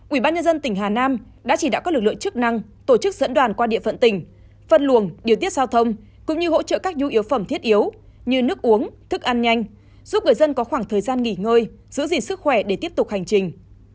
ubnd tỉnh hà nam đã chỉ đạo các lực lượng chức năng tổ chức dẫn đoàn qua địa phận tỉnh phân luồng điều tiết giao thông cũng như hỗ trợ các nhu yếu phẩm thiết yếu như nước uống thức ăn nhanh giúp người dân có khoảng thời gian nghỉ ngơi giữ gìn sức khỏe để tiếp tục hành trình